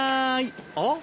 あっ！